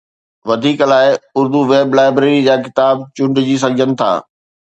وڌيڪ لاءِ Urdu web library جا ڪتاب چونڊجي سگهجن ٿا